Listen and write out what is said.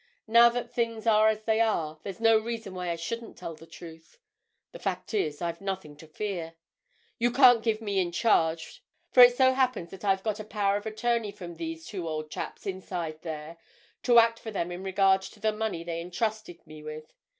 "Now that things are as they are, there's no reason why I shouldn't tell the truth. The fact is, I've nothing to fear. You can't give me in charge, for it so happens that I've got a power of attorney from these two old chaps inside there to act for them in regard to the money they entrusted me with.